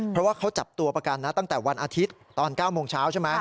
เพราะว่าเขาจับตัวประกันนะตั้งแต่วันอาทิตย์ตอน๙โมงเช้าใช่ไหม